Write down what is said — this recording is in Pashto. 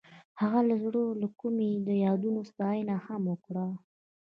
هغې د زړه له کومې د یادونه ستاینه هم وکړه.